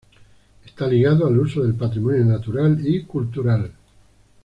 Está ligado al uso del patrimonio natural y cultural.